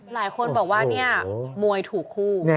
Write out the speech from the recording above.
หลายคนบอกว่าเนี่ยมวยถูกคู่